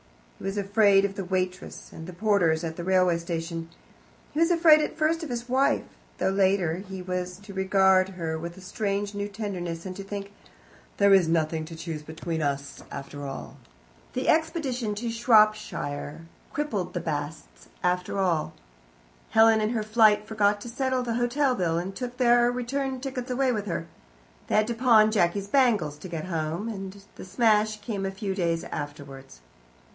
He was afraid of the waitress and the porters at the railway station. He was afraid at first of his wife, though later he was to regard her with a strange new tenderness, and to think, "There is nothing to choose between us, after all." The expedition to Shropshire crippled the Basts permanently. Helen in her flight forgot to settle the hotel bill, and took their return tickets away with her; they had to pawn Jacky's bangles to get home, and the smash came a few days afterwards.